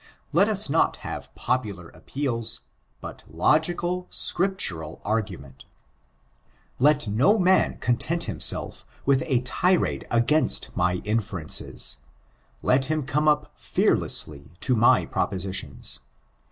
Let us not have popular appeals, but logical, scriptural argument Let no man content him self with a tirade against my inferences ; let him come up fearlessly to my propositions.